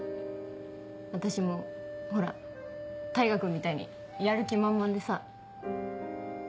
私もほら大牙君みたいにやる気満々でさ。